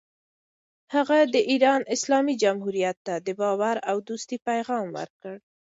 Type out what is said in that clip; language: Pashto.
هغه د ایران اسلامي جمهوریت ته د باور او دوستۍ پیغام ورکړ.